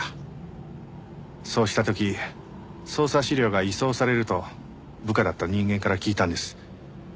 そうした時捜査資料が移送されると部下だった人間から聞いたんです。